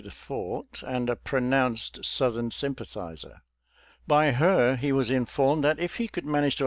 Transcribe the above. the fort, and a pronounced Southern sympathizer. By her he was informed that I if he could; manage to.